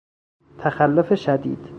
تخلف شدید